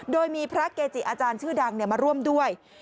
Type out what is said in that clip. โดยมีพระเกจิอาจารย์ชื่อดังมาร่วมด้วย